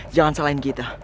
jangan salahin kita